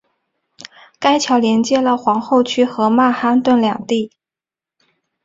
该桥连接了皇后区和曼哈顿两地。